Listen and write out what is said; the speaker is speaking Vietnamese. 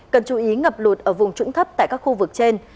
cần chú ý ngập lụt ở vùng trũng thấp tại các khu vực trên